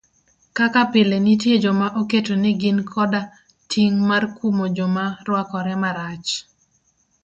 Kaka pile nitie joma oketo ni gin koda ting' mar kumo joma rwakore marach.